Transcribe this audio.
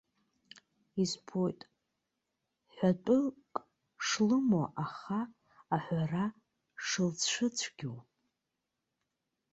Избоит ҳәатәык шлымоу, аха аҳәара шылцәыцәгьоу.